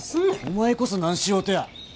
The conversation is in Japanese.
お前こそ何しようとや。